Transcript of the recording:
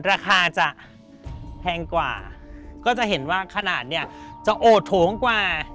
ราคาจะแพงกว่าก็จะเห็นว่าขนาดเนี่ยจะโอดโถงกว่า